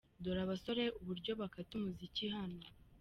Dore abasore uburyo bakata umuziki hano!.